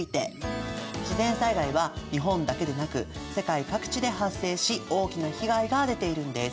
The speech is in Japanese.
自然災害は日本だけでなく世界各地で発生し大きな被害が出ているんです。